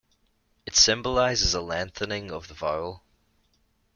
It symbolises a lengthening of the vowel.